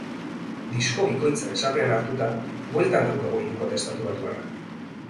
Disko bikoitza besapean hartuta, bultan daukagu hirukote estatubatuarra.